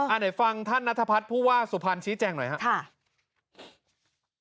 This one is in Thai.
ไหนฟังท่านนัทพัฒน์ผู้ว่าสุพรรณชี้แจงหน่อยครับ